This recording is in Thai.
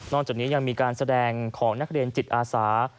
จากนี้ยังมีการแสดงของนักเรียนจิตอาสา